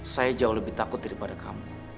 saya jauh lebih takut daripada kamu